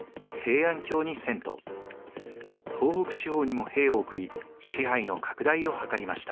東北地方にも兵を送り支配の拡大を図りました。